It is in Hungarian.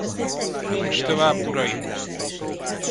Nincs tovább, uraim!